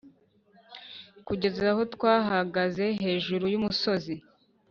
kugeza aho twahagaze hejuru yumusozi;